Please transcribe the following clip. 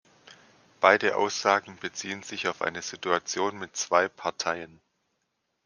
Beide Aussagen beziehen sich auf eine Situation mit zwei Parteien.